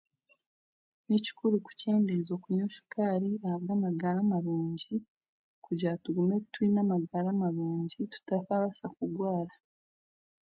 Ni kikuru kukyendeeza kunywa shukaari ahabw'amagara marungi kugira tugume twine amagara marungi tutakabaasa kurwara.